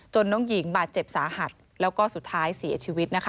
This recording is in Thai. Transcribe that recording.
น้องหญิงบาดเจ็บสาหัสแล้วก็สุดท้ายเสียชีวิตนะคะ